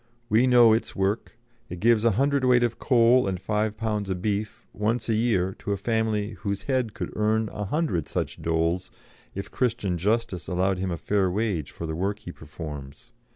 We know its work. It gives a hundred weight of coal and five pounds of beef once a year to a family whose head could earn a hundred such doles if Christian justice allowed him fair wage for the work he performs.